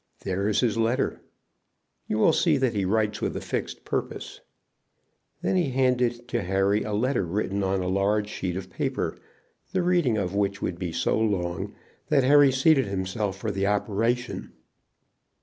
There is his letter. You will see that he writes with a fixed purpose." Then he handed to Harry a letter written on a large sheet of paper, the reading of which would be so long that Harry seated himself for the operation.